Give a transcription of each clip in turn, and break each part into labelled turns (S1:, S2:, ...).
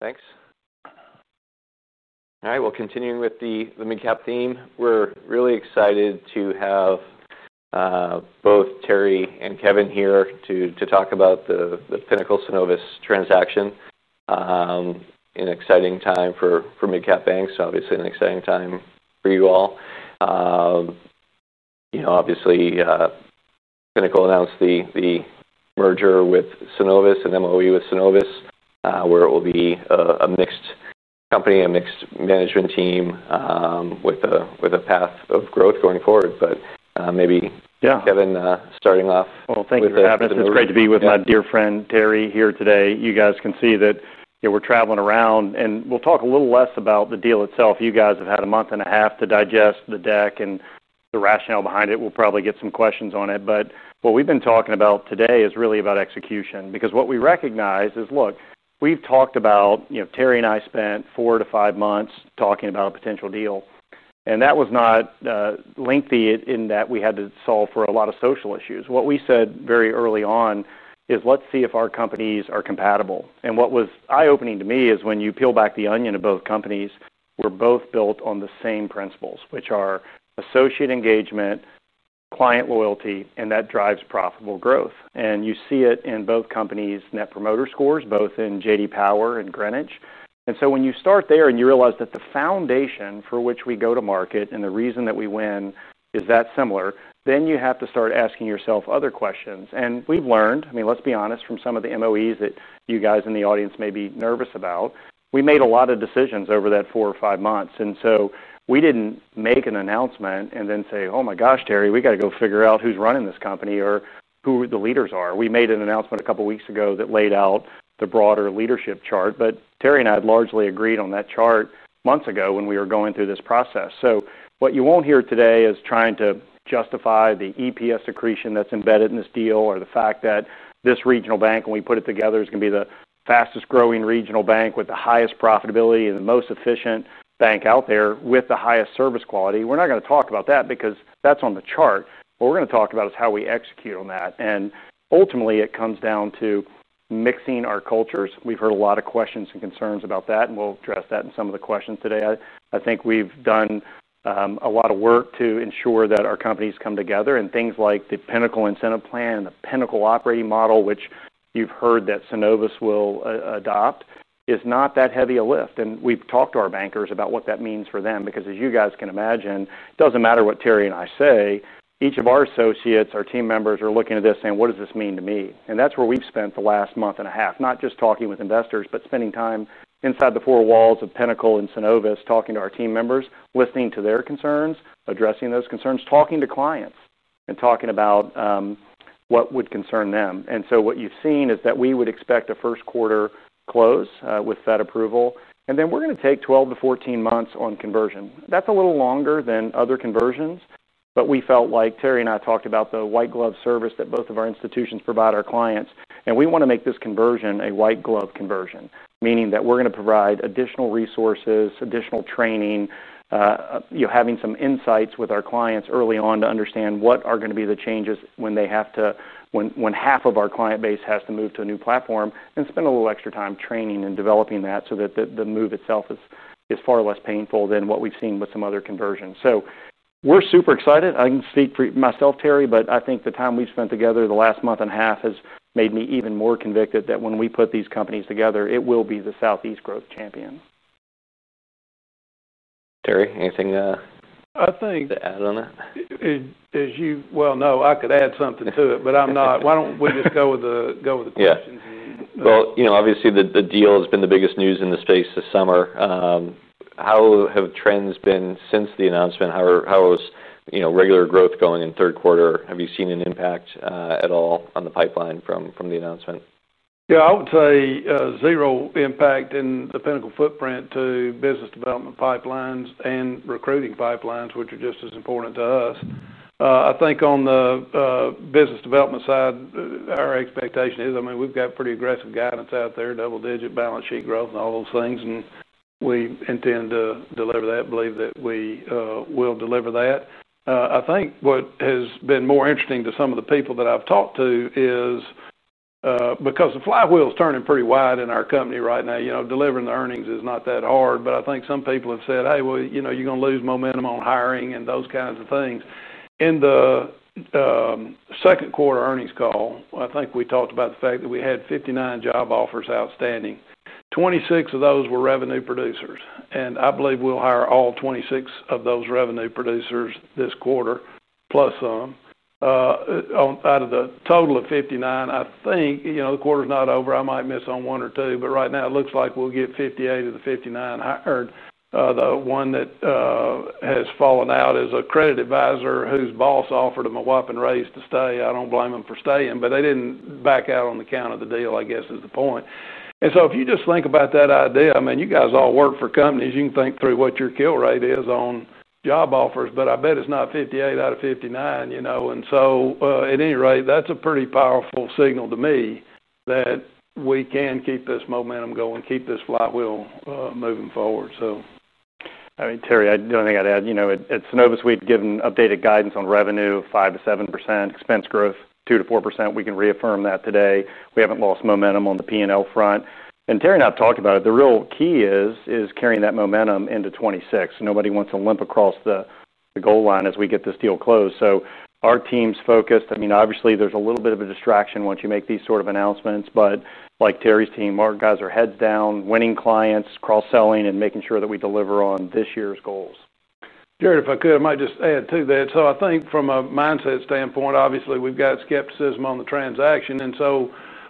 S1: Thanks. All right. Continuing with the mid-cap theme, we're really excited to have both Terry and Kevin here to talk about the Pinnacle-Synovus transaction. It's an exciting time for mid-cap banks, obviously an exciting time for you all. You know, obviously, Pinnacle announced the merger with Synovus, an MOE with Synovus, where it will be a mixed company, a mixed management team, with a path of growth going forward. Maybe, yeah, Kevin, starting off.
S2: Thank you for having us. It's great to be with my dear friend Terry here today. You guys can see that we're traveling around and we'll talk a little less about the deal itself. You guys have had a month and a half to digest the deck and the rationale behind it. We'll probably get some questions on it. What we've been talking about today is really about execution because what we recognize is, look, we've talked about, you know, Terry and I spent 4-5 months talking about a potential deal. That was not lengthy in that we had to solve for a lot of social issues. What we said very early on is let's see if our companies are compatible. What was eye-opening to me is when you peel back the onion of both companies, we're both built on the same principles, which are associate engagement, client loyalty, and that drives profitable growth. You see it in both companies' net promoter scores, both in J.D. Power and Greenwich. When you start there and you realize that the foundation for which we go to market and the reason that we win is that similar, then you have to start asking yourself other questions. We've learned, I mean, let's be honest, from some of the MOEs that you guys in the audience may be nervous about, we made a lot of decisions over that 4-5 months. We didn't make an announcement and then say, oh my gosh, Terry, we got to go figure out who's running this company or who the leaders are. We made an announcement a couple of weeks ago that laid out the broader leadership chart. Terry and I had largely agreed on that chart months ago when we were going through this process. What you won't hear today is trying to justify the EPS secretion that's embedded in this deal or the fact that this regional bank, when we put it together, is going to be the fastest growing regional bank with the highest profitability and the most efficient bank out there with the highest service quality. We're not going to talk about that because that's on the chart. What we're going to talk about is how we execute on that. Ultimately, it comes down to mixing our cultures. We've heard a lot of questions and concerns about that, and we'll address that in some of the questions today. I think we've done a lot of work to ensure that our companies come together and things like the Pinnacle incentive compensation model and the Pinnacle operating model, which you've heard that Synovus will adopt, is not that heavy a lift. We have talked to our bankers about what that means for them because, as you guys can imagine, it doesn't matter what Terry and I say, each of our associates, our team members are looking at this saying, what does this mean to me? That is where we've spent the last month and a half, not just talking with investors, but spending time inside the four walls of Pinnacle and Synovus, talking to our team members, listening to their concerns, addressing those concerns, talking to clients, and talking about what would concern them. You have seen that we would expect a first quarter close, with that approval. We are going to take 12-14 months on conversion. That is a little longer than other conversions. Terry and I talked about the white glove service our institutions provide our clients. We want to make this conversion a white glove conversion, meaning that we are going to provide additional resources, additional training, having some insights with our clients early on to understand what are going to be the changes when half of our client base has to move to a new platform and spend a little extra time training and developing that so that the move itself is far less painful than what we've seen with some other conversions. We are super excited. I can speak for myself, Terry, but I think the time we've spent together the last month and a half has made me even more convicted that when we put these companies together, it will be the Southeast growth champion.
S1: Terry, anything to add on it?
S3: As you well know, I could add something to it, but I'm not. Why don't we just go with the questions?
S1: Obviously the deal has been the biggest news in the space this summer. How have trends been since the announcement? How is, you know, regular growth going in third quarter? Have you seen an impact at all on the pipeline from the announcement?
S3: Yeah, I would say, zero impact in the Pinnacle footprint to business development pipelines and recruiting pipelines, which are just as important to us. I think on the business development side, our expectation is, I mean, we've got pretty aggressive guidance out there, double digit balance sheet growth and all those things. We intend to deliver that, believe that we will deliver that. I think what has been more interesting to some of the people that I've talked to is, because the flywheel is turning pretty wide in our company right now, delivering the earnings is not that hard. Some people have said, hey, well, you know, you're going to lose momentum on hiring and those kinds of things. In the second quarter earnings call, I think we talked about the fact that we had 59 job offers outstanding. 26 of those were revenue producers. I believe we'll hire all 26 of those revenue producers this quarter, plus some. Out of the total of 59, I think, you know, the quarter's not over. I might miss on one or two, but right now it looks like we'll get 58/59 hired. The one that has fallen out is a credit advisor whose boss offered him a whopping raise to stay. I don't blame him for staying, but they didn't back out on the count of the deal, I guess, is the point. If you just think about that idea, I mean, you guys all work for companies. You can think through what your kill rate is on job offers, but I bet it's not 58/59, you know. At any rate, that's a pretty powerful signal to me that we can keep this momentum going, keep this flywheel moving forward.
S2: I mean, Terry, the only thing I'd add, you know, at Synovus, we've given updated guidance on revenue of 5%-7%, expense growth 2%-4%. We can reaffirm that today. We haven't lost momentum on the P&L front. Terry and I have talked about it. The real key is carrying that momentum into 2026. Nobody wants to limp across the goal line as we get this deal closed. Our team's focused. Obviously there's a little bit of a distraction once you make these sort of announcements, but like Terry's team, our guys are heads down, winning clients, cross-selling, and making sure that we deliver on this year's goals.
S3: Jared, if I could, I might just add to that. I think from a mindset standpoint, obviously we've got skepticism on the transaction.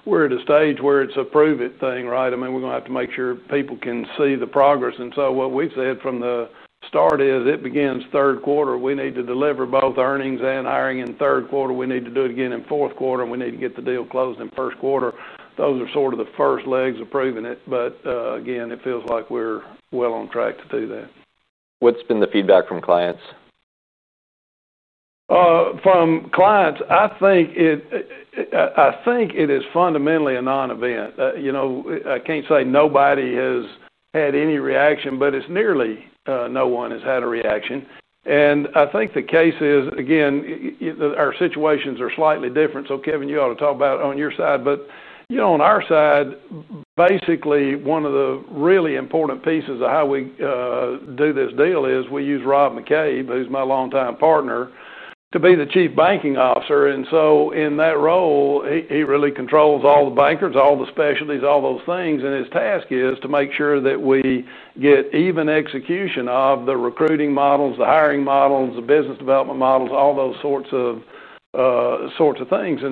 S3: We're at a stage where it's a prove it thing, right? I mean, we're going to have to make sure people can see the progress. What we said from the start is it begins third quarter. We need to deliver both earnings and hiring in third quarter. We need to do it again in fourth quarter, and we need to get the deal closed in first quarter. Those are sort of the first legs of proving it. Again, it feels like we're well on track to do that.
S1: What's been the feedback from clients?
S3: From clients, I think it is fundamentally a non-event. I can't say nobody has had any reaction, but it's nearly no one has had a reaction. I think the case is, again, our situations are slightly different. Kevin, you ought to talk about it on your side. On our side, basically, one of the really important pieces of how we do this deal is we use Rob McCabe, who's my longtime partner, to be the Chief Banking Officer. In that role, he really controls all the bankers, all the specialties, all those things. His task is to make sure that we get even execution of the recruiting models, the hiring models, the business development models, all those sorts of things.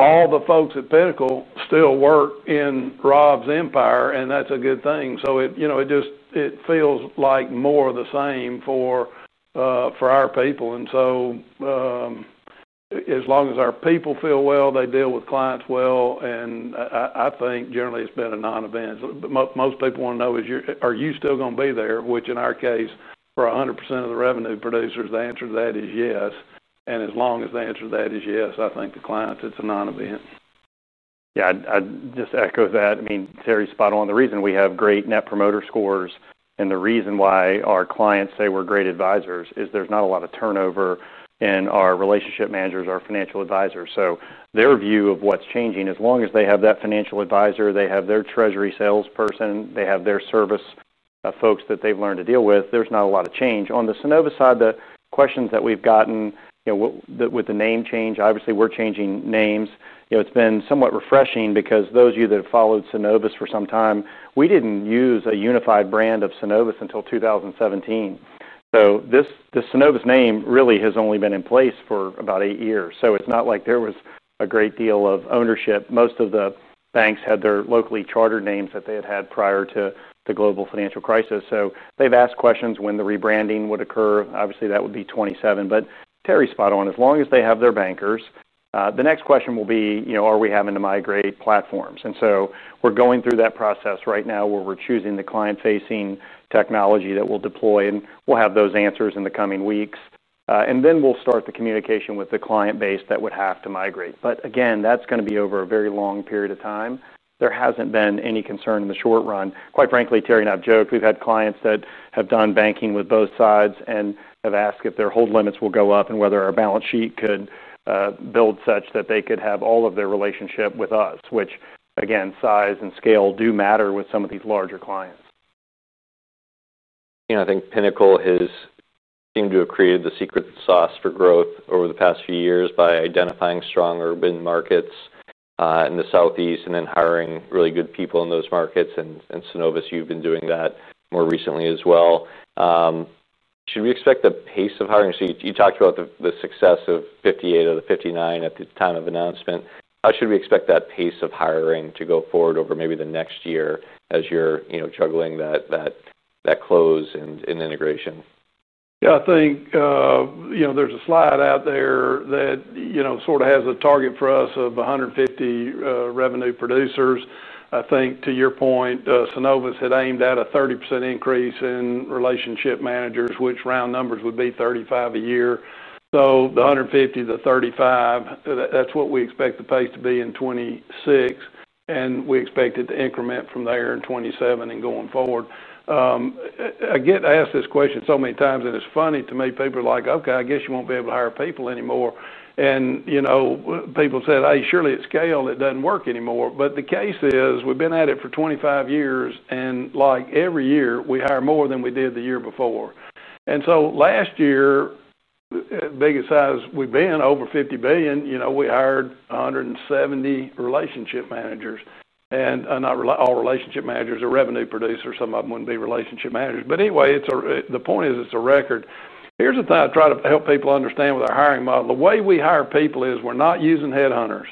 S3: All the folks at Pinnacle still work in Rob's empire, and that's a good thing. It just feels like more of the same for our people. As long as our people feel well, they deal with clients well. I think generally it's been a non-event. Most people want to know, are you still going to be there? Which in our case, for 100% of the revenue producers, the answer to that is yes. As long as the answer to that is yes, I think the clients, it's a non-event.
S2: Yeah, I'd just echo that. I mean, Terry's spot on. The reason we have great net promoter scores and the reason why our clients say we're great advisors is there's not a lot of turnover in our relationship managers, our financial advisors. Their view of what's changing, as long as they have that financial advisor, they have their treasury salesperson, they have their service folks that they've learned to deal with, there's not a lot of change. On the Synovus side, the questions that we've gotten, you know, with the name change, obviously we're changing names. It's been somewhat refreshing because those of you that have followed Synovus for some time, we didn't use a unified brand of Synovus until 2017. This Synovus name really has only been in place for about eight years. It's not like there was a great deal of ownership. Most of the banks had their locally chartered names that they had had prior to the global financial crisis. They've asked questions when the rebranding would occur. Obviously, that would be 2027. Terry's spot on. As long as they have their bankers, the next question will be, you know, are we having to migrate platforms? We're going through that process right now where we're choosing the client-facing technology that we'll deploy, and we'll have those answers in the coming weeks. We'll start the communication with the client base that would have to migrate. Again, that's going to be over a very long period of time. There hasn't been any concern in the short run. Quite frankly, Terry and I have joked, we've had clients that have done banking with both sides and have asked if their hold limits will go up and whether our balance sheet could build such that they could have all of their relationship with us, which again, size and scale do matter with some of these larger clients.
S1: Yeah, I think Pinnacle has seemed to have created the secret sauce for growth over the past few years by identifying strong urban markets in the Southeast and then hiring really good people in those markets. Synovus, you've been doing that more recently as well. Should we expect the pace of hiring? You talked about the success of 58/59 at the time of announcement. How should we expect that pace of hiring to go forward over maybe the next year as you're juggling that close and integration?
S3: Yeah, I think, you know, there's a slide out there that, you know, sort of has a target for us of 150 revenue producers. I think to your point, Synovus had aimed at a 30% increase in relationship managers, which, round numbers, would be 35 a year. The 150, the 35, that's what we expect the pace to be in 2026. We expect it to increment from there in 2027 and going forward. I get asked this question so many times and it's funny to me. People are like, okay, I guess you won't be able to hire people anymore. People said, hey, surely it's scaled, it doesn't work anymore. The case is we've been at it for 25 years and like every year we hire more than we did the year before. Last year, the biggest size we've been, over $50 billion, we hired 170 relationship managers. Not all relationship managers are revenue producers. Some of them wouldn't be relationship managers. Anyway, the point is it's a record. Here's the thing I try to help people understand with our hiring model. The way we hire people is we're not using headhunters.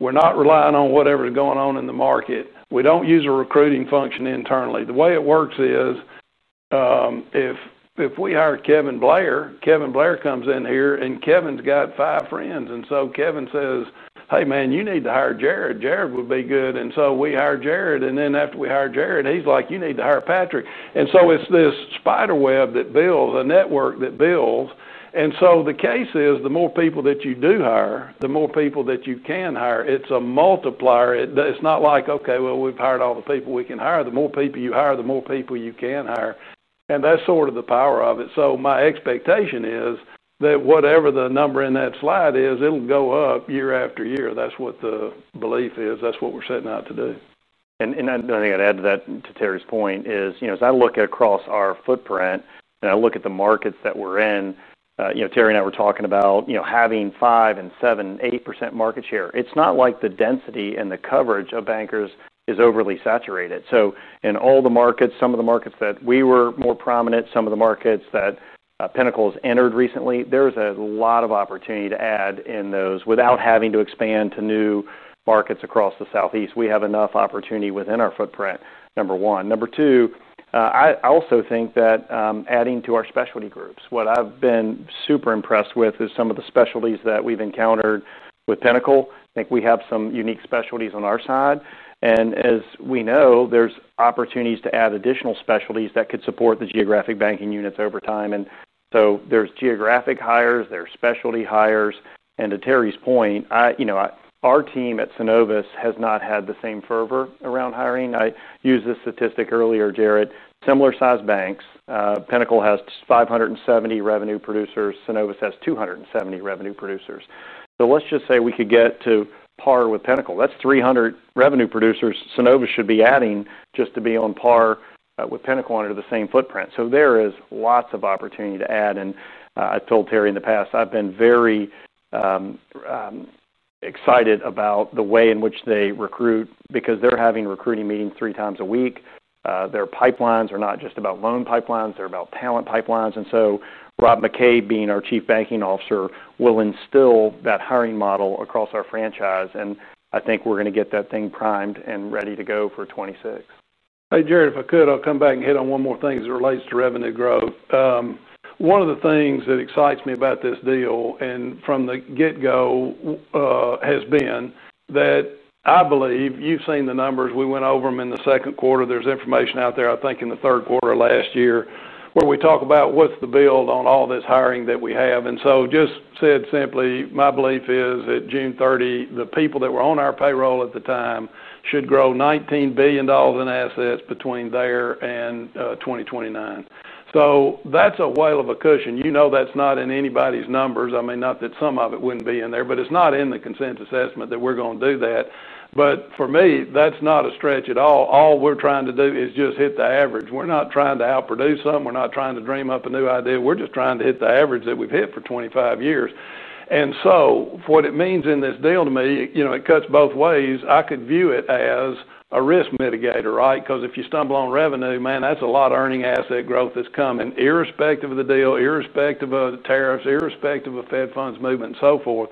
S3: We're not relying on whatever's going on in the market. We don't use a recruiting function internally. The way it works is, if we hire Kevin Blair, Kevin Blair comes in here and Kevin's got five friends. Kevin says, hey man, you need to hire Jared. Jared would be good. We hire Jared. After we hire Jared, he's like, you need to hire Patrick. It's this spider web that builds, a network that builds. The case is the more people that you do hire, the more people that you can hire. It's a multiplier. It's not like, okay, we've hired all the people we can hire. The more people you hire, the more people you can hire. That's sort of the power of it. My expectation is that whatever the number in that slide is, it'll go up year after year. That's what the belief is. That's what we're setting out to do.
S2: I think I'd add to that, to Terry's point, as I look across our footprint and I look at the markets that we're in, Terry and I were talking about having 5%, 7%, and 8% market share. It's not like the density and the coverage of bankers is overly saturated. In all the markets, some of the markets that we were more prominent, some of the markets that Pinnacle has entered recently, there's a lot of opportunity to add in those without having to expand to new markets across the Southeast. We have enough opportunity within our footprint, number one. Number two, I also think that adding to our specialty groups, what I've been super impressed with is some of the specialties that we've encountered with Pinnacle. I think we have some unique specialties on our side. As we know, there's opportunities to add additional specialties that could support the geographic banking units over time. There's geographic hires, there's specialty hires. To Terry's point, our team at Synovus has not had the same fervor around hiring. I used this statistic earlier, Jared. Similar size banks, Pinnacle has 570 revenue producers. Synovus has 270 revenue producers. Let's just say we could get to par with Pinnacle. That's 300 revenue producers Synovus should be adding just to be on par with Pinnacle under the same footprint. There is lots of opportunity to add. I've told Terry in the past, I've been very excited about the way in which they recruit because they're having recruiting meetings three times a week. Their pipelines are not just about loan pipelines. They're about talent pipelines. Rob McCabe, being our Chief Banking Officer, will instill that hiring model across our franchise. I think we're going to get that thing primed and ready to go for 2026.
S3: Hey, Jared, if I could, I'll come back and hit on one more thing as it relates to revenue growth. One of the things that excites me about this deal and from the get-go, has been that I believe you've seen the numbers. We went over them in the second quarter. There's information out there, I think, in the third quarter last year where we talk about what's the build on all this hiring that we have. Just said simply, my belief is that June 30, the people that were on our payroll at the time should grow $19 billion in assets between there and 2029. That's a whale of a cushion. That's not in anybody's numbers. I mean, not that some of it wouldn't be in there, but it's not in the consensus estimate that we're going to do that. For me, that's not a stretch at all. All we're trying to do is just hit the average. We're not trying to outproduce something. We're not trying to dream up a new idea. We're just trying to hit the average that we've hit for 25 years. What it means in this deal to me, it cuts both ways. I could view it as a risk mitigator, right? Because if you stumble on revenue, man, that's a lot of earning asset growth that's coming irrespective of the deal, irrespective of the tariffs, irrespective of Fed funds movement, and so forth.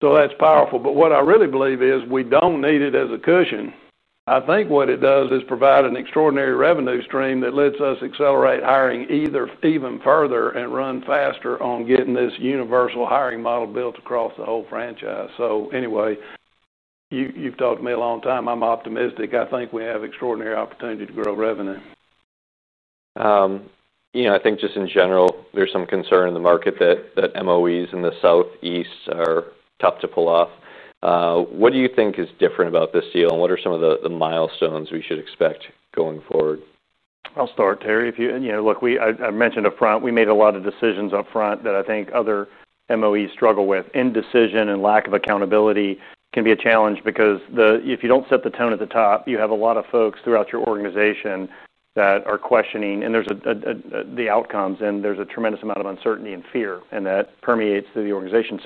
S3: That's powerful. What I really believe is we don't need it as a cushion. I think what it does is provide an extraordinary revenue stream that lets us accelerate hiring even further and run faster on getting this universal hiring model built across the whole franchise. Anyway, you've talked to me a long time. I'm optimistic. I think we have extraordinary opportunity to grow revenue.
S1: I think just in general, there's some concern in the market that MOEs in the Southeast are tough to pull off. What do you think is different about this deal, and what are some of the milestones we should expect going forward?
S2: I'll start, Terry. I mentioned upfront, we made a lot of decisions upfront that I think other MOEs struggle with. Indecision and lack of accountability can be a challenge because if you don't set the tone at the top, you have a lot of folks throughout your organization that are questioning and there's the outcomes, and there's a tremendous amount of uncertainty and fear, and that permeates through the organization.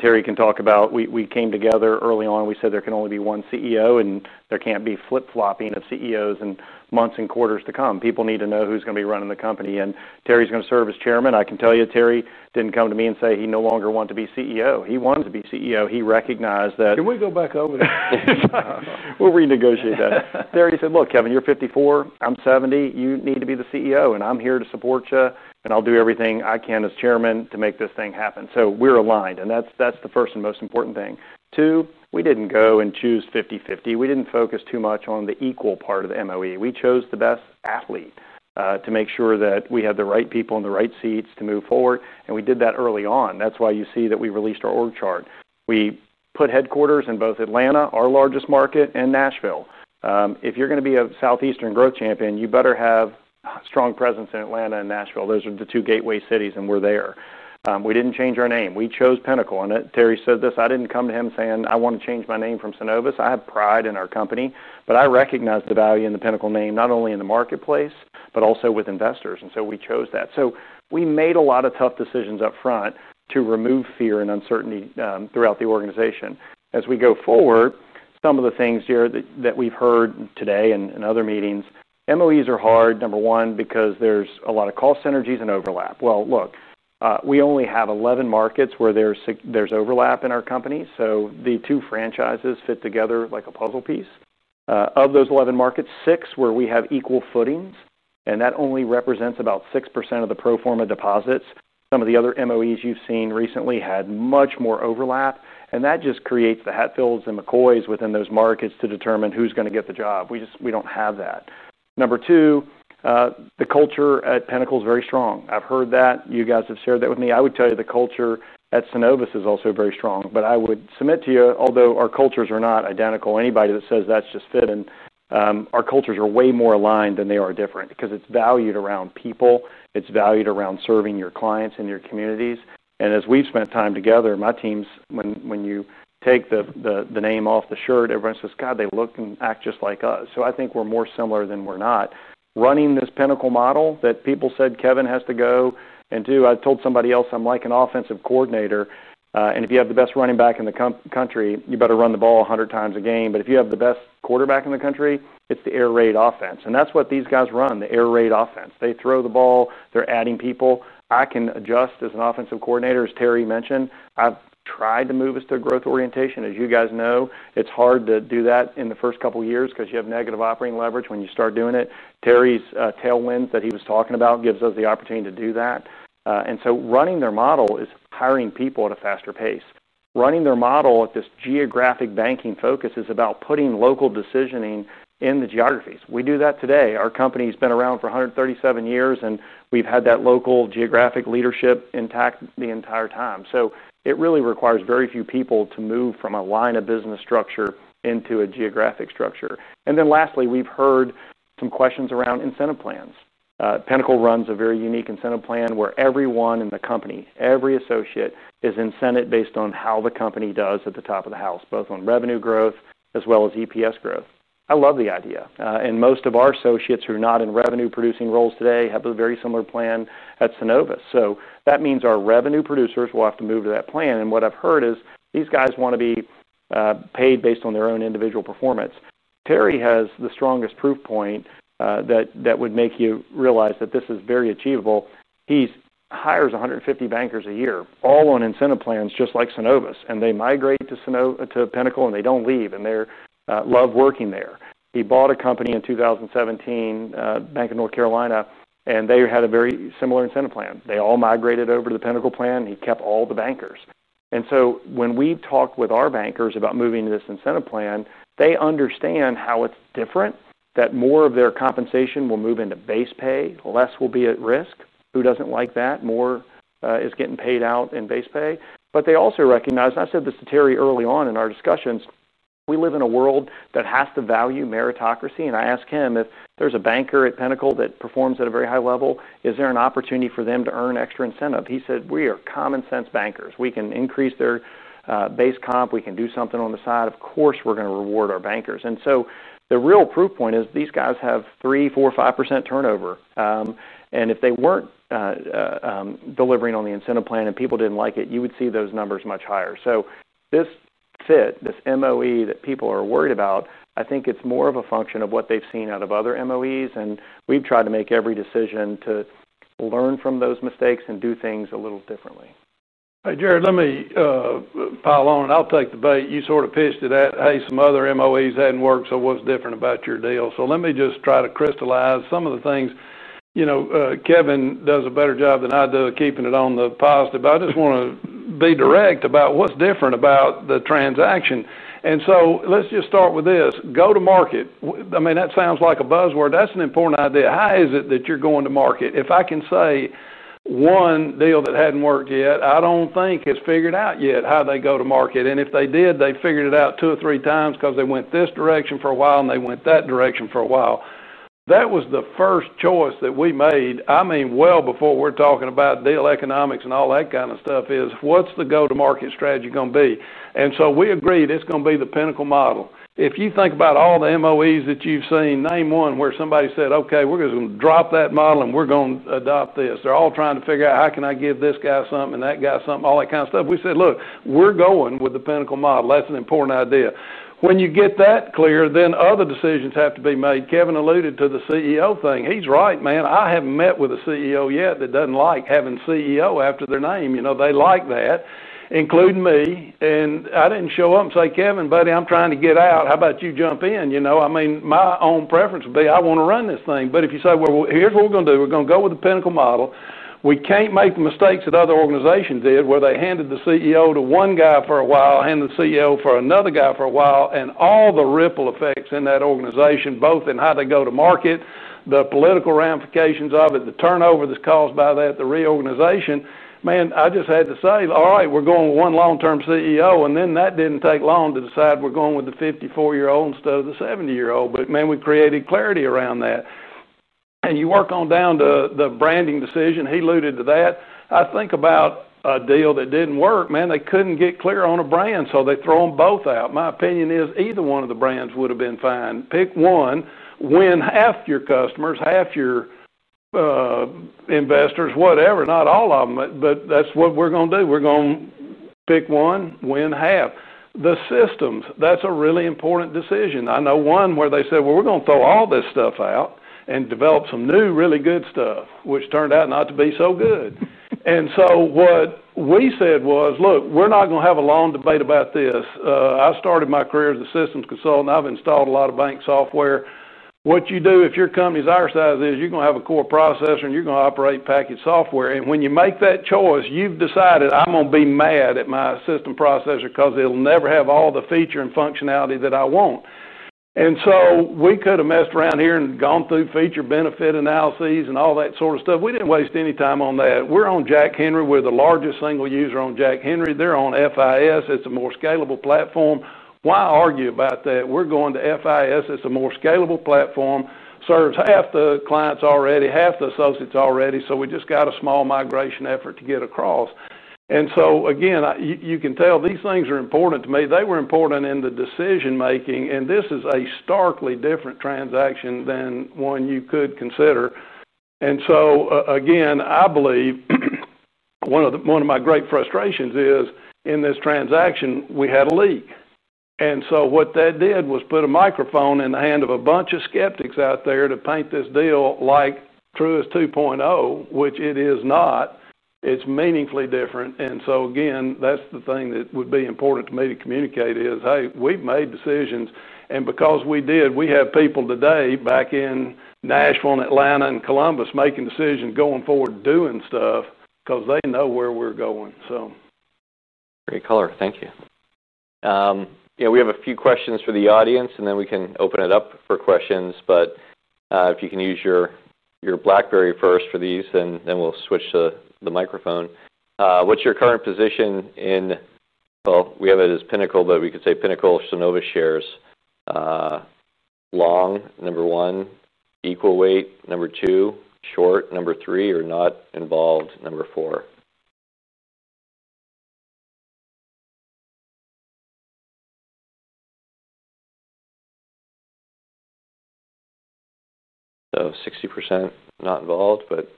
S2: Terry can talk about we came together early on. We said there can only be one CEO, and there can't be flip-flopping of CEOs in months and quarters to come. People need to know who's going to be running the company, and Terry's going to serve as Chairman. I can tell you, Terry didn't come to me and say he no longer wanted to be CEO. He wanted to be CEO. He recognized that.
S3: Can we go back over that?
S2: We'll renegotiate that. Terry said, "Look, Kevin, you're 54, I'm 70, you need to be the CEO, and I'm here to support you, and I'll do everything I can as Chairman to make this thing happen." We're aligned, and that's the first and most important thing. Two, we didn't go and choose 50-50. We didn't focus too much on the equal part of the MOE. We chose the best athlete to make sure that we had the right people in the right seats to move forward, and we did that early on. That's why you see that we released our org chart. We put headquarters in both Atlanta, our largest market, and Nashville. If you're going to be a Southeastern growth champion, you better have a strong presence in Atlanta and Nashville. Those are the two gateway cities, and we're there. We didn't change our name. We chose Pinnacle, and Terry said this. I didn't come to him saying, "I want to change my name from Synovus." I have pride in our company, but I recognize the value in the Pinnacle name, not only in the marketplace, but also with investors. We chose that. We made a lot of tough decisions upfront to remove fear and uncertainty throughout the organization. As we go forward, some of the things here that we've heard today and in other meetings, MOEs are hard, number one, because there's a lot of call synergies and overlap. We only have 11 markets where there's overlap in our company. The two franchises fit together like a puzzle piece. Of those 11 markets, six where we have equal footings, and that only represents about 6% of the pro forma deposits. Some of the other MOEs you've seen recently had much more overlap, and that just creates the Hatfields and McCoys within those markets to determine who's going to get the job. We don't have that. Number two, the culture at Pinnacle is very strong. I've heard that. You guys have shared that with me. I would tell you the culture at Synovus is also very strong, but I would submit to you, although our cultures are not identical, anybody that says that's just fitting, our cultures are way more aligned than they are different because it's valued around people. It's valued around serving your clients and your communities. As we've spent time together, my teams, when you take the name off the shirt, everyone says, "God, they look and act just like us." I think we're more similar than we're not. Running this Pinnacle model that people said Kevin has to go and do, I told somebody else, I'm like an offensive coordinator. If you have the best running back in the country, you better run the ball 100x a game. If you have the best quarterback in the country, it's the air raid offense. That's what these guys run, the air raid offense. They throw the ball. They're adding people. I can adjust as an offensive coordinator, as Terry mentioned. I've tried to move us to a growth orientation. As you guys know, it's hard to do that in the first couple of years because you have negative operating leverage when you start doing it. Terry's tailwind that he was talking about gives us the opportunity to do that. Running their model is hiring people at a faster pace. Running their model at this geographic banking focus is about putting local decisioning in the geographies. We do that today. Our company has been around for 137 years, and we've had that local geographic leadership intact the entire time. It really requires very few people to move from a line of business structure into a geographic structure. Lastly, we've heard some questions around incentive plans. Pinnacle runs a very unique incentive plan where everyone in the company, every associate, is incented based on how the company does at the top of the house, both on revenue growth as well as EPS growth. I love the idea. Most of our associates who are not in revenue-producing roles today have a very similar plan at Synovus. That means our revenue producers will have to move to that plan. What I've heard is these guys want to be paid based on their own individual performance. Terry has the strongest proof point that would make you realize that this is very achievable. He hires 150 bankers a year, all on incentive plans just like Synovus. They migrate to Pinnacle, they don't leave, and they love working there. He bought a company in 2017, Bank of North Carolina, and they had a very similar incentive plan. They all migrated over to the Pinnacle plan. He kept all the bankers. When we talk with our bankers about moving to this incentive plan, they understand how it's different that more of their compensation will move into base pay, less will be at risk. Who doesn't like that? More is getting paid out in base pay. They also recognize, and I said this to Terry early on in our discussions, we live in a world that has to value meritocracy. I asked him if there's a banker at Pinnacle that performs at a very high level, is there an opportunity for them to earn extra incentive? He said, "We are common sense bankers. We can increase their base comp. We can do something on the side. Of course, we're going to reward our bankers." The real proof point is these guys have 3%, 4%, 5% turnover. If they weren't delivering on the incentive plan and people didn't like it, you would see those numbers much higher. This fit, this MOE that people are worried about, I think it's more of a function of what they've seen out of other MOEs. We have tried to make every decision to learn from those mistakes and do things a little differently.
S3: Hey, Jared, let me pile on and I'll take the bait. You sort of pitched it at, hey, some other MOEs hadn't worked, so what's different about your deal? Let me just try to crystallize some of the things. You know, Kevin does a better job than I do of keeping it on the positive, but I just want to be direct about what's different about the transaction. Let's just start with this. Go to market. I mean, that sounds like a buzzword. That's an important idea. How is it that you're going to market? If I can say one deal that hadn't worked yet, I don't think it's figured out yet how they go to market. If they did, they figured it out two or three times because they went this direction for a while and they went that direction for a while. That was the first choice that we made. Well before we're talking about deal economics and all that kind of stuff is what's the go-to-market strategy going to be? We agreed it's going to be the Pinnacle model. If you think about all the MOEs that you've seen, name one where somebody said, "Okay, we're just going to drop that model and we're going to adopt this." They're all trying to figure out how can I give this guy something and that guy something, all that kind of stuff. We said, "Look, we're going with the Pinnacle model. That's an important idea." When you get that clear, then other decisions have to be made. Kevin alluded to the CEO thing. He's right, man. I haven't met with a CEO yet that doesn't like having CEO after their name. You know, they like that, including me. I didn't show up and say, "Kevin, buddy, I'm trying to get out. How about you jump in?" I mean, my own preference would be I want to run this thing. If you say, "Here's what we're going to do. We're going to go with the Pinnacle model. We can't make the mistakes that other organizations did where they handed the CEO to one guy for a while, handed the CEO for another guy for a while, and all the ripple effects in that organization, both in how they go to market, the political ramifications of it, the turnover that's caused by that, the reorganization." I just had to say, "All right, we're going with one long-term CEO." That didn't take long to decide we're going with the 54-year-old instead of the 70-year-old. We created clarity around that. You work on down to the branding decision. He alluded to that. I think about a deal that didn't work. They couldn't get clear on a brand, so they throw them both out. My opinion is either one of the brands would have been fine. Pick one, win half your customers, half your investors, whatever, not all of them. That's what we're going to do. We're going to pick one, win half. The systems, that's a really important decision. I know one where they said, "We're going to throw all this stuff out and develop some new really good stuff," which turned out not to be so good. What we said was, "Look, we're not going to have a long debate about this." I started my career as a systems consultant. I've installed a lot of bank software. What you do if your company's our size is you're going to have a core processor and you're going to operate packaged software. When you make that choice, you've decided I'm going to be mad at my system processor because it'll never have all the feature and functionality that I want. We could have messed around here and gone through feature benefit analyses and all that sort of stuff. We didn't waste any time on that. We're on Jack Henry. We're the largest single user on Jack Henry. They're on FIS. It's a more scalable platform. Why argue about that? We're going to FIS. It's a more scalable platform. Serves half the clients already, half the associates already. We just got a small migration effort to get across. You can tell these things are important to me. They were important in the decision-making. This is a starkly different transaction than one you could consider. I believe one of my great frustrations is in this transaction, we had a leak. What that did was put a microphone in the hand of a bunch of skeptics out there to paint this deal like Truist 2.0, which it is not. It's meaningfully different. That's the thing that would be important to me to communicate is, hey, we've made decisions. Because we did, we have people today back in Nashville and Atlanta and Columbus making decisions going forward doing stuff because they know where we're going.
S1: Great caller. Thank you. We have a few questions for the audience, and then we can open it up for questions. If you can use your Blackberry first for these, and then we'll switch to the microphone. What's your current position in, we have it as Pinnacle, but we could say Pinnacle-Synovus shares? Long, number one, equal weight, number two, short, number three, or not involved, number four? Oh, 60% not involved, but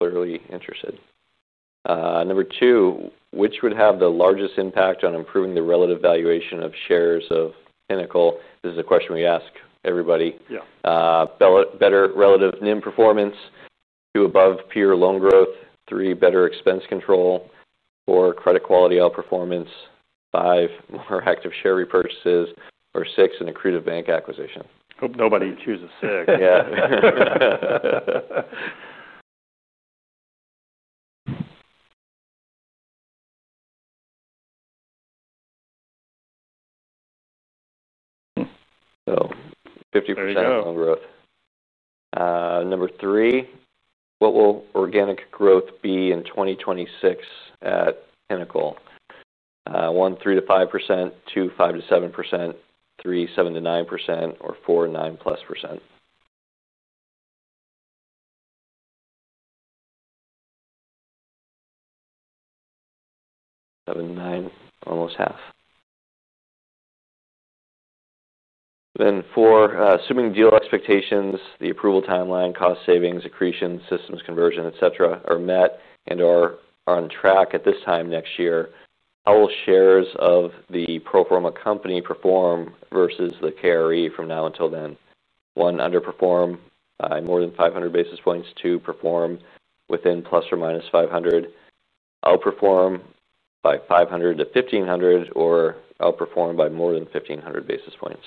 S1: clearly interested. Number two, which would have the largest impact on improving the relative valuation of shares of Pinnacle? This is a question we ask everybody. Better relative NIM performance, two above peer loan growth, three better expense control, four credit quality outperformance, five more active share repurchases, or six in accrued bank acquisition.
S2: Hope nobody chooses six.
S1: Yeah. 50% on growth. Number three, what will organic growth be in 2026 at Pinnacle? One, 3%-5%. Two, 5%-7%. Three, 7%-9%. Or four, 9%+. Seven, nine, almost half. Four, assuming deal expectations, the approval timeline, cost savings, accretion, systems conversion, etc., are met and are on track at this time next year, how will shares of the pro forma company perform versus the KRE from now until then? One, underperform by more than 500 basis points. Two, perform within ±500. Outperform by 500-1,500 or outperform by more than 1,500 basis points.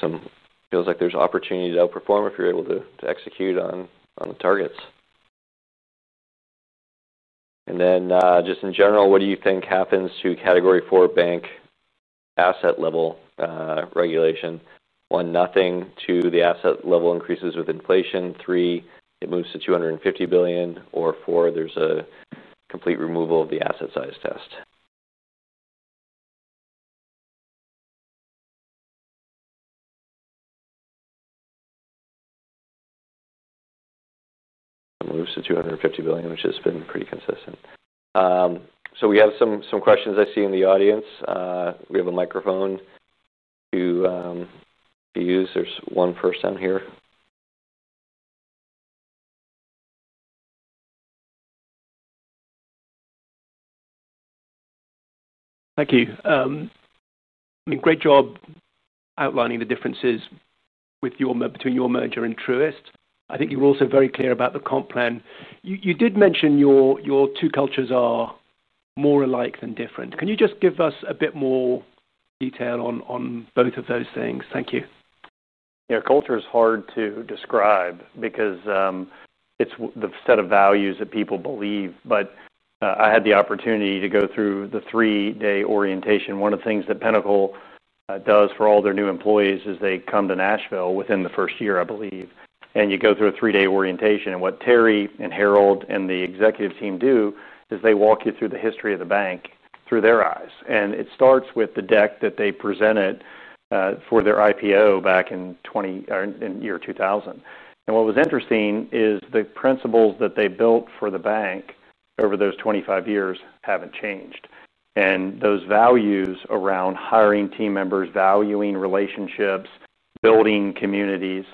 S1: Some feels like there's opportunity to outperform if you're able to execute on the targets. In general, what do you think happens to category four bank asset level regulation? One, nothing. Two, the asset level increases with inflation. Three, it moves to $250 billion. Or four, there's a complete removal of the asset size test. It moves to $250 billion, which has been pretty consistent. We have some questions I see in the audience. We have a microphone to use. There's one first down here.
S4: Thank you. I mean, great job outlining the differences between your merger and Truist. I think you were also very clear about the comp plan. You did mention your two cultures are more alike than different. Can you just give us a bit more detail on both of those things? Thank you.
S2: Yeah, culture is hard to describe because it's the set of values that people believe. I had the opportunity to go through the three-day orientation. One of the things that Pinnacle does for all their new employees is they come to Nashville within the first year, I believe, and you go through a three-day orientation. What Terry and Harold and the executive team do is they walk you through the history of the bank through their eyes. It starts with the deck that they presented for their IPO back in the year 2000. What was interesting is the principles that they built for the bank over those 25 years haven't changed. Those values around hiring team members, valuing relationships, building communities,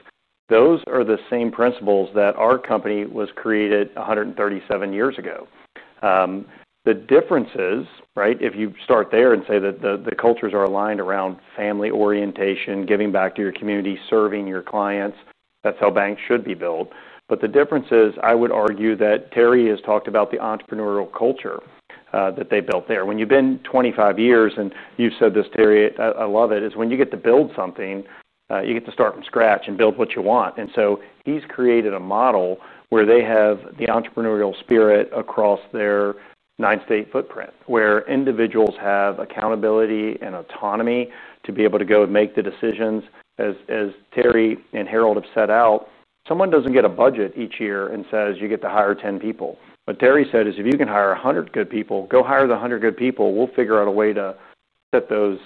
S2: those are the same principles that our company was created 137 years ago. The differences, right, if you start there and say that the cultures are aligned around family orientation, giving back to your community, serving your clients, that's how banks should be built. The difference is I would argue that Terry has talked about the entrepreneurial culture that they built there. When you've been 25 years, and you've said this, Terry, I love it, is when you get to build something, you get to start from scratch and build what you want. He's created a model where they have the entrepreneurial spirit across their nine-state footprint, where individuals have accountability and autonomy to be able to go and make the decisions. As Terry and Harold have set out, someone doesn't get a budget each year and says you get to hire 10 people. What Terry said is if you can hire 100 good people, go hire the 100 good people. We'll figure out a way to set those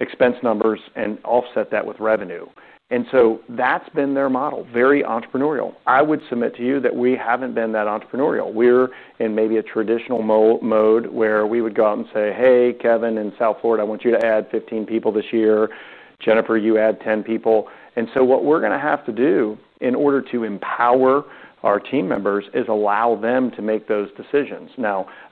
S2: expense numbers and offset that with revenue. That's been their model, very entrepreneurial. I would submit to you that we haven't been that entrepreneurial. We're in maybe a traditional mode where we would go out and say, "Hey, Kevin in South Florida, I want you to add 15 people this year. Jennifer, you add 10 people." What we're going to have to do in order to empower our team members is allow them to make those decisions.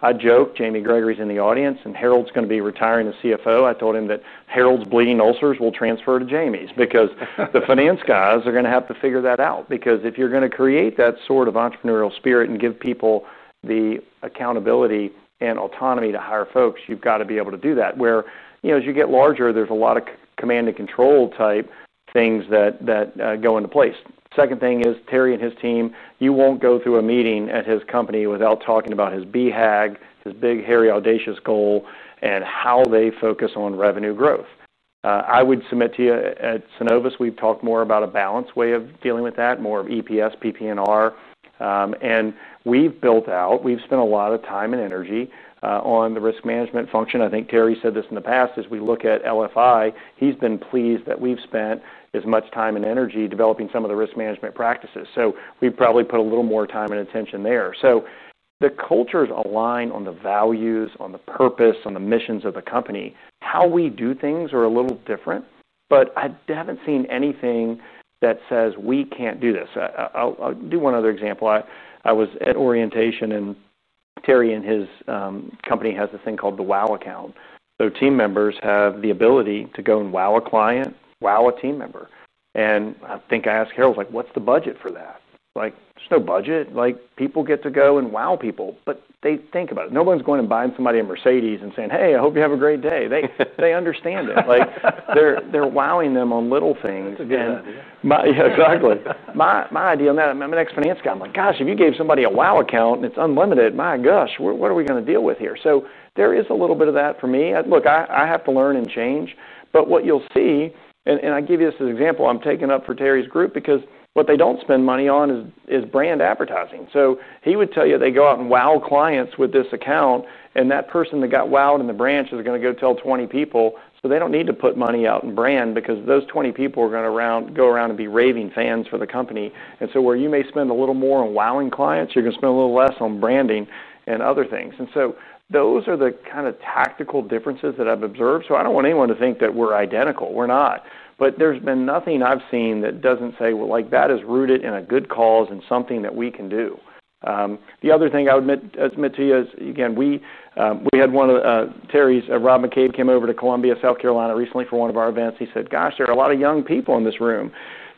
S2: I joke, Jamie Gregory's in the audience and Harold's going to be retiring as CFO. I told him that Harold's bleeding ulcers will transfer to Jamie's because the finance guys are going to have to figure that out. Because if you're going to create that sort of entrepreneurial spirit and give people the accountability and autonomy to hire folks, you've got to be able to do that. As you get larger, there's a lot of command and control type things that go into place. The second thing is Terry and his team, you won't go through a meeting at his company without talking about his BHAG, his big hairy audacious goal, and how they focus on revenue growth. I would submit to you at Synovus, we've talked more about a balanced way of dealing with that, more of EPS, PPNR. We've built out, we've spent a lot of time and energy on the risk management function. I think Terry said this in the past, as we look at LFI, he's been pleased that we've spent as much time and energy developing some of the risk management practices. We've probably put a little more time and attention there. The cultures align on the values, on the purpose, on the missions of the company. How we do things are a little different, but I haven't seen anything that says we can't do this. I'll do one other example. I was at orientation and Terry and his company have this thing called the wow account. Team members have the ability to go and wow a client, wow a team member. I think I asked Harold, like, what's the budget for that? There's no budget. People get to go and wow people, but they think about it. No one's going and buying somebody a Mercedes and saying, "Hey, I hope you have a great day." They understand it. They're wowing them on little things.
S3: [My idea.]
S2: Yeah, exactly. My idea on that, I'm an ex-finance guy. I'm like, gosh, if you gave somebody a wow account and it's unlimited, my gosh, what are we going to deal with here? There is a little bit of that for me. Look, I have to learn and change. What you'll see, and I give you this as an example, I'm taking up for Terry's group because what they don't spend money on is brand advertising. He would tell you they go out and wow clients with this account, and that person that got wowed in the branch is going to go tell 20 people. They don't need to put money out in brand because those 20 people are going to go around and be raving fans for the company. Where you may spend a little more on wowing clients, you're going to spend a little less on branding and other things. Those are the kind of tactical differences that I've observed. I don't want anyone to think that we're identical. We're not. There's been nothing I've seen that doesn't say, like, that is rooted in a good cause and something that we can do. The other thing I would admit to you is, again, we had one of Terry's, Rob McCabe, came over to Columbia, South Carolina, recently for one of our events. He said, "Gosh, there are a lot of young people in this room."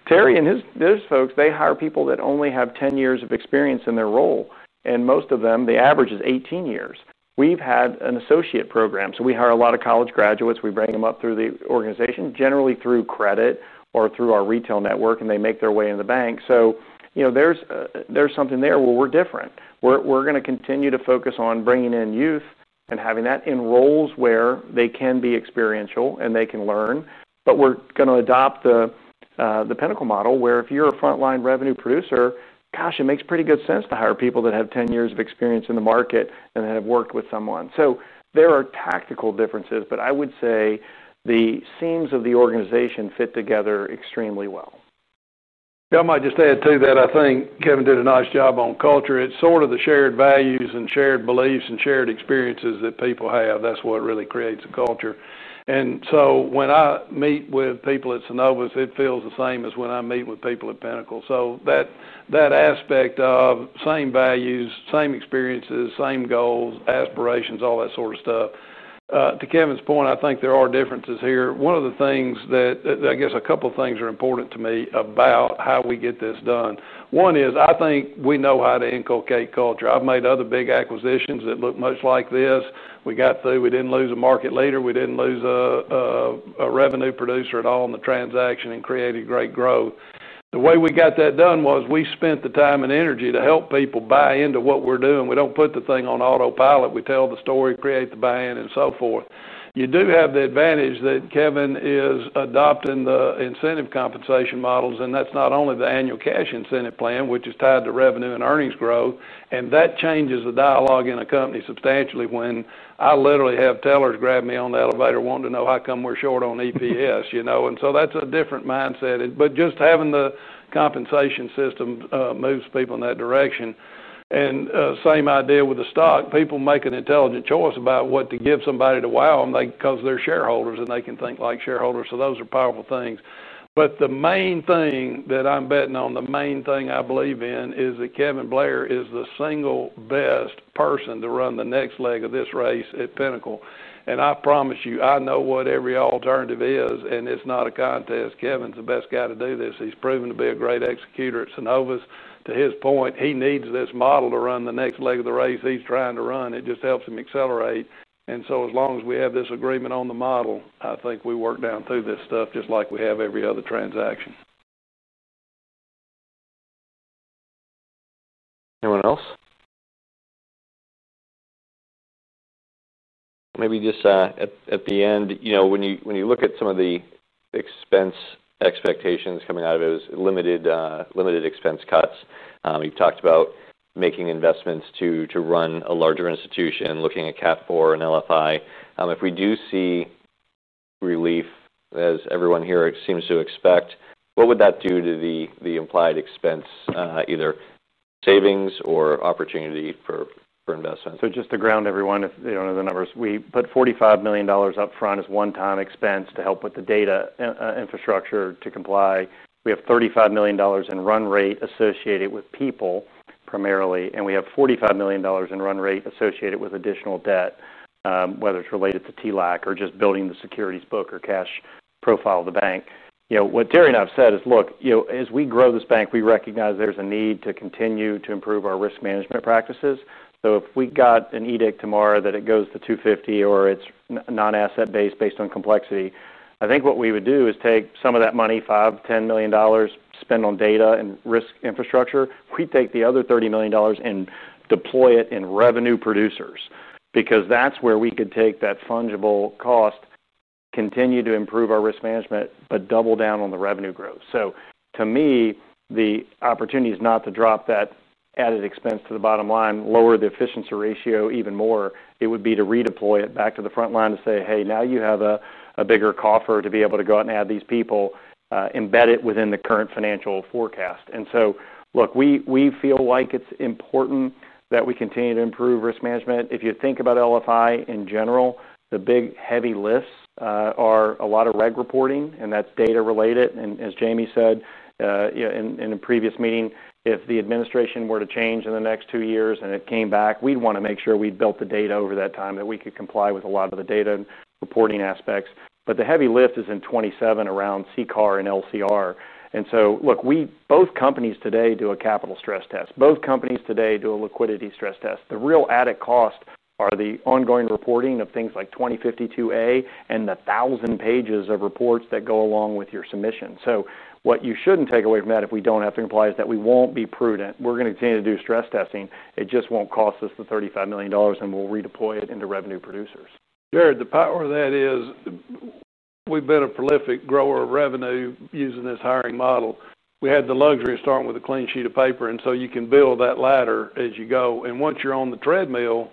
S2: Terry and his folks, they hire people that only have 10 years of experience in their role. Most of them, the average is 18 years. We've had an associate program. We hire a lot of college graduates. We bring them up through the organization, generally through credit or through our retail network, and they make their way into the bank. You know, there's something there. We're different. We're going to continue to focus on bringing in youth and having that in roles where they can be experiential and they can learn. We're going to adopt the Pinnacle model where if you're a frontline revenue producer, gosh, it makes pretty good sense to hire people that have 10 years of experience in the market and that have worked with someone. There are tactical differences, but I would say the seams of the organization fit together extremely well.
S3: Yeah, I might just add to that. I think Kevin did a nice job on culture. It's sort of the shared values and shared beliefs and shared experiences that people have. That's what really creates a culture. When I meet with people at Synovus, it feels the same as when I meet with people at Pinnacle. That aspect of same values, same experiences, same goals, aspirations, all that sort of stuff. To Kevin's point, I think there are differences here. One of the things that I guess a couple of things are important to me about how we get this done. One is I think we know how to inculcate culture. I've made other big acquisitions that look much like this. We got through. We didn't lose a market leader. We didn't lose a revenue producer at all in the transaction and created great growth. The way we got that done was we spent the time and energy to help people buy into what we're doing. We don't put the thing on autopilot. We tell the story, create the buy-in, and so forth. You do have the advantage that Kevin is adopting the incentive compensation models, and that's not only the annual cash incentive plan, which is tied to revenue and earnings growth. That changes the dialogue in a company substantially when I literally have tellers grab me on the elevator wanting to know how come we're short on EPS, you know. That's a different mindset. Just having the compensation system moves people in that direction. Same idea with the stock. People make an intelligent choice about what to give somebody to wow them because they're shareholders and they can think like shareholders. Those are powerful things. The main thing that I'm betting on, the main thing I believe in is that Kevin Blair is the single best person to run the next leg of this race at Pinnacle. I promise you, I know what every alternative is, and it's not a contest. Kevin's the best guy to do this. He's proven to be a great executor at Synovus. To his point, he needs this model to run the next leg of the race he's trying to run. It just helps him accelerate. As long as we have this agreement on the model, I think we work down through this stuff just like we have every other transaction.
S2: Anyone else?
S1: Maybe just at the end, when you look at some of the expense expectations coming out of it, it was limited expense cuts. You've talked about making investments to run a larger institution, looking at category four bank asset thresholds and LFI. If we do see relief, as everyone here seems to expect, what would that do to the implied expense, either savings or opportunity for investment?
S2: Just to ground everyone, if they don't know the numbers, we put $45 million upfront as one-time expense to help with the data infrastructure to comply. We have $35 million in run rate associated with people primarily, and we have $45 million in run rate associated with additional debt, whether it's related to TLAC or just building the securities book or cash profile of the bank. What Terry and I have said is, look, as we grow this bank, we recognize there's a need to continue to improve our risk management practices. If we got an edict tomorrow that it goes to $250 million or it's non-asset based based on complexity, I think what we would do is take some of that money, $5 million, $10 million spent on data and risk infrastructure. If we take the other $30 million and deploy it in revenue producers, because that's where we could take that fungible cost, continue to improve our risk management, but double down on the revenue growth. To me, the opportunity is not to drop that added expense to the bottom line, lower the efficiency ratio even more. It would be to redeploy it back to the front line to say, hey, now you have a bigger coffer to be able to go out and add these people, embed it within the current financial forecast. We feel like it's important that we continue to improve risk management. If you think about LFI in general, the big heavy lists are a lot of reg reporting, and that's data related. As Jamie said in a previous meeting, if the administration were to change in the next two years and it came back, we'd want to make sure we built the data over that time that we could comply with a lot of the data reporting aspects. The heavy lift is in 2027 around CCAR and LCR. Both companies today do a capital stress test. Both companies today do a liquidity stress test. The real added costs are the ongoing reporting of things like [FR 2052a] and the thousand pages of reports that go along with your submission. What you shouldn't take away from that if we don't have to comply is that we won't be prudent. We're going to continue to do stress testing. It just won't cost us the $35 million, and we'll redeploy it into revenue producers.
S3: Jared, the power of that is we've been a prolific grower of revenue using this hiring model. We had the luxury of starting with a clean sheet of paper, and you can build that ladder as you go. Once you're on the treadmill,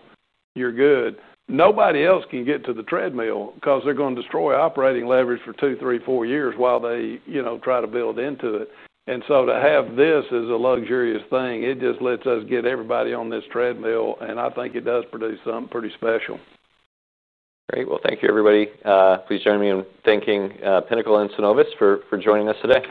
S3: you're good. Nobody else can get to the treadmill because they're going to destroy operating leverage for two, three, four years while they try to build into it. To have this is a luxurious thing. It just lets us get everybody on this treadmill, and I think it does produce something pretty special. Great. Thank you, everybody. Please join me in thanking Pinnacle and Synovus for joining us today.